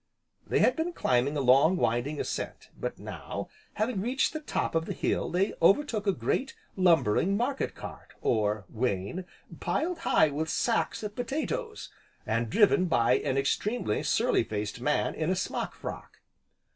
They had been climbing a long, winding ascent, but now, having reached the top of the hill, they overtook a great, lumbering market cart, or wain, piled high with sacks of potatoes, and driven by an extremely surly faced man in a smock frock.